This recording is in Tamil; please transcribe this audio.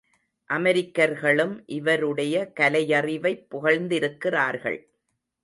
அமெரிக்கர்களும் இவருடைய கலையறிவைப் புகழ்ந்திருக்கிறார்கள்.